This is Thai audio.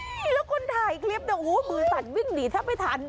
เฮ้ยแล้วคนถ่ายคลิปมือตัดวิ่งดีถ้าไม่ทัน